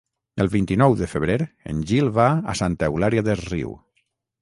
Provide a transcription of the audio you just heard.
El vint-i-nou de febrer en Gil va a Santa Eulària des Riu.